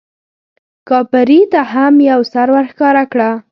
کاپري ته هم یو سر ورښکاره کړه.